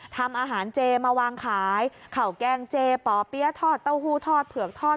ทำอาหารเจมาวางขายเข่าแกงเจป่อเปี๊ยะทอดเต้าหู้ทอดเผือกทอด